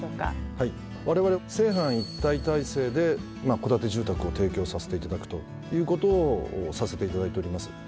われわれ製販一体体制で戸建て住宅を提供させていただくということをさせていただいております。